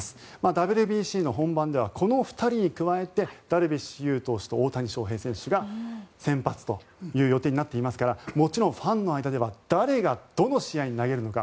ＷＢＣの本番ではこの２人に加えてダルビッシュ有投手と大谷翔平投手が先発という予定になっていますからもちろんファンの間では誰がどの試合に投げるのか。